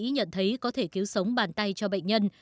và bác sĩ nhận thấy có thể cứu sống bàn tay cho bệnh nhân